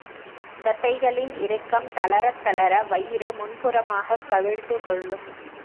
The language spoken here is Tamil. தசைகளின் இறுக்கம் தளரத் தளர, வயிறு முன்புறமாகக் கவிழ்ந்து கொள்ளும்.